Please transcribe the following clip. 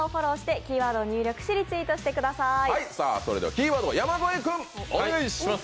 キーワードは山添君、お願いします。